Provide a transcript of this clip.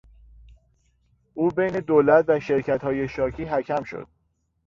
او بین دولت و شرکتهای شاکی حکم شد.